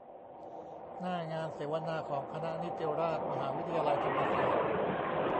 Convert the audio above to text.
หน้างานเสวนาของคณะนิติราษฎร์ มหาวิทยาลัยธรรมศาสตร์